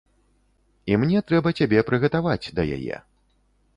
І мне трэба цябе прыгатаваць да яе.